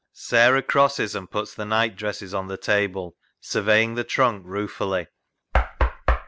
Sarah crosses and puts the night dresses on the table, surveying the trunk ruefully.